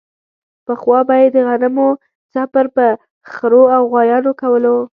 پخوا به یې د غنمو څپر په خرو او غوایانو کولو.